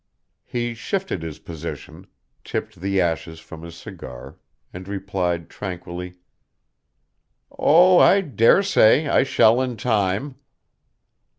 He shifted his position, tipped the ashes from his cigar, and replied tranquilly: "Oh, I dare say I shall in time."